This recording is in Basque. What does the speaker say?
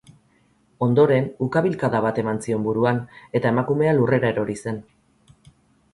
Ondoren, ukabilkada bat eman zion buruan eta emakumea lurrera erori zen.